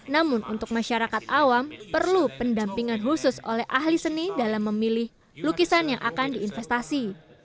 namun untuk masyarakat awam perlu pendampingan khusus oleh ahli seni dalam memilih lukisan yang akan diinvestasi